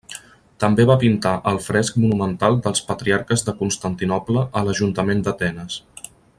També va pintar el fresc monumental dels Patriarques de Constantinoble a l'ajuntament d'Atenes.